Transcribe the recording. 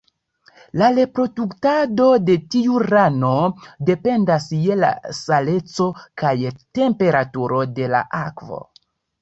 La reproduktado de tiu rano dependas je la saleco kaj temperaturo de la akvo.